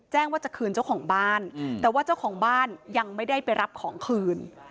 ว่าจะคืนเจ้าของบ้านแต่ว่าเจ้าของบ้านยังไม่ได้ไปรับของคืน